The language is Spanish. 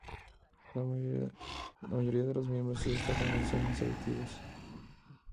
La mayoría de los miembros de esta familia son insectívoros.